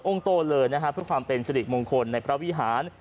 โอ้งโตเลิร์นะครับเพื่อความเป็นสลิกมงคลในพระวิหาร